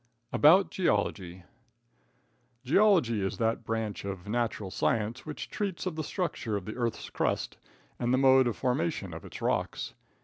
About Geology. Geology is that branch of natural science which treats of the structure of the earth's crust and the mode of formation of its rocks.